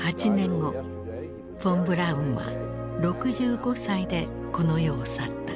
フォン・ブラウンは６５歳でこの世を去った。